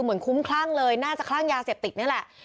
เหมือนคุ้มคลั่งเลยน่าจะคลั่งยาเสพติดนี่แหละ